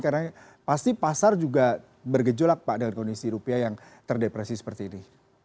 karena pasti pasar juga bergejolak dengan kondisi rupiah yang terdepresi seperti ini